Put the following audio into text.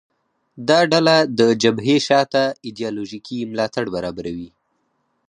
دا ډله د جبهې شا ته ایدیالوژیکي ملاتړ برابروي